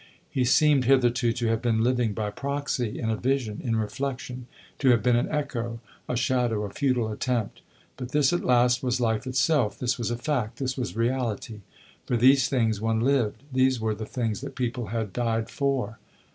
He seemed hitherto to have been living by proxy, in a vision, in reflection to have been an echo, a shadow, a futile attempt; but this at last was life itself, this was a fact, this was reality. For these things one lived; these were the things that people had died for.